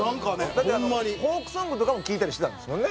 だってフォークソングとかも聴いたりしてたんですもんね